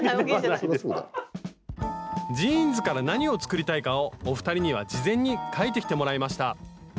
ジーンズから何を作りたいかをお二人には事前に描いてきてもらいました